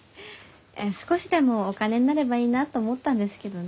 少しでもお金になればいいなと思ったんですけどね。